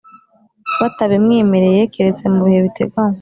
Batabimwemereye keretse mu bihe biteganywa